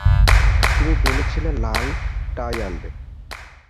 তুমি বলেছিলে লাল টাই আনবে।